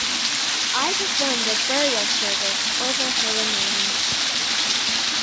I performed the burial service over her remains.